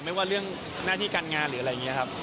ไม่ว่าเรื่องหน้าที่การงานหรืออะไรอย่างนี้ครับ